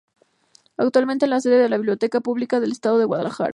Actualmente es sede de la Biblioteca Pública del Estado en Guadalajara.